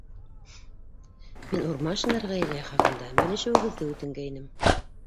Мин Урманшиндар ғаиләһе хаҡында белешеүегеҙҙе үтенгәйнем.